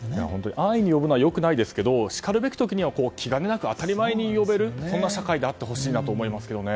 安易に呼ぶのはよくないですけどしかるべき時には気兼ねなく当たり前に呼べるそんな社会であってほしいなと思いますけどね。